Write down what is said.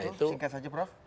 apa itu singkat saja prof